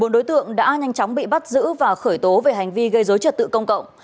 bốn đối tượng đã nhanh chóng bị bắt giữ và khởi tố về hành vi gây dối trật tự công cộng